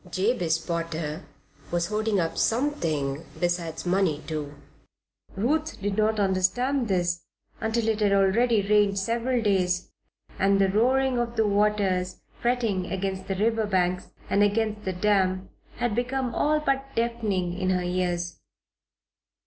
Jabez Potter was hoarding up something besides money, too. Ruth did not understand this until it had already rained several days, and the roaring of the waters fretting against the river banks and against the dam, had become all but deafening in her ears.